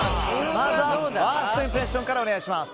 まずはファーストインプレッションからお願いします。